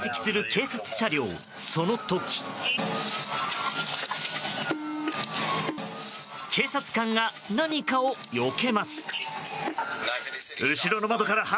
警察官が、何かをよけます。